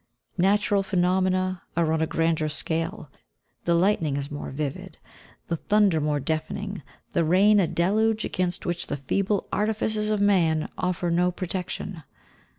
Natural phenomena are on a grander scale; the lightning is more vivid, the thunder more deafening, the rain a deluge against which the feeble artifices of man offer no protection.